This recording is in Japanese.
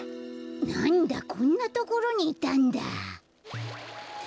なんだこんなところにいたんだ。